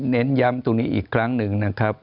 เน้นย้ำตรงนี้อีกครั้งหนึ่งนะครับ